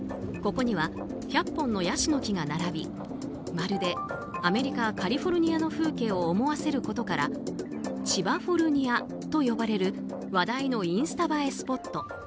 ここには１００本のヤシの木が並びまるでアメリカ・カリフォルニアの風景を思わせることから千葉フォルニアと呼ばれる話題のインスタ映えスポット。